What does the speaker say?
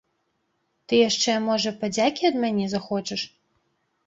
Ты яшчэ, можа, падзякі ад мяне захочаш?